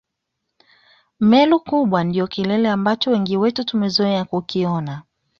Meru kubwa ndio kilele ambacho wengi wetu tumezoea kukiona